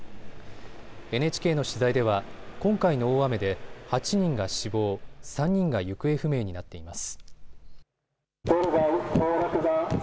ＮＨＫの取材では、今回の大雨で８人が死亡、３人が行方不明になっています。